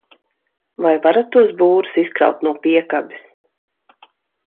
Vai varat tos būrus izkraut no piekabes?